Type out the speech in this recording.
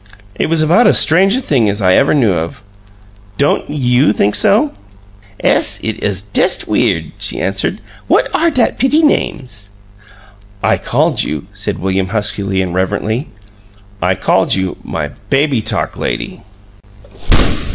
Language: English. It was about as strange a thing as I ever knew of. Don't YOU think so?" "Ess. It uz dest WEIRD!" she answered. "What ARE dat pitty names?" "I called you," said William, huskily and reverently, "I called you 'My Baby Talk Lady.'"